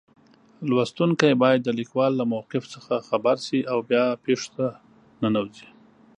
لوستونکی باید د لیکوال له موقف څخه خبر شي او بیا پېښو ته ننوځي.